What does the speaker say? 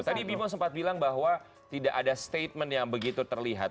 tadi bimo sempat bilang bahwa tidak ada statement yang begitu terlihat